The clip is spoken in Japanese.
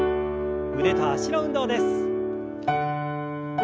腕と脚の運動です。